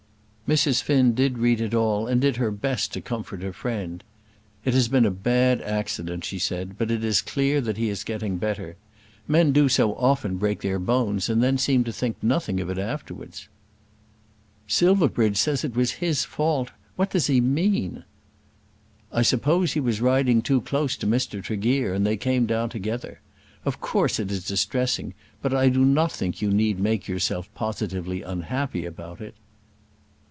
Mrs. Finn did read it all, and did her best to comfort her friend. "It has been a bad accident," she said, "but it is clear that he is getting better. Men do so often break their bones, and then seem to think nothing of it afterwards." "Silverbridge says it was his fault. What does he mean?" "I suppose he was riding too close to Mr. Tregear, and that they came down together. Of course it is distressing, but I do not think you need make yourself positively unhappy about it."